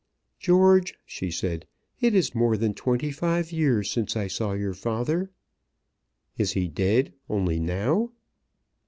"George," she said, "it is more than twenty five years since I saw your father." "Is he dead only now?"